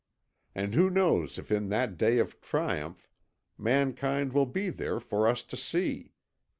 And who knows if in that day of triumph mankind will be there for us to see?